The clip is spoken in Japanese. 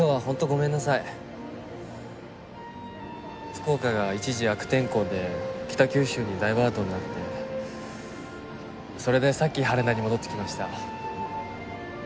福岡が一時悪天候で北九州にダイバートになってそれでさっき羽田に戻ってきました。